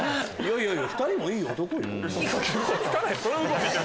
いやいや２人もいい男よ。